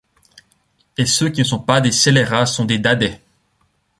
Et ceux qui ne sont pas des scélérats sont des dadais!